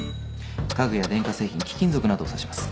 家具や電化製品貴金属などを指します。